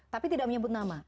tapi tidak menyebut nama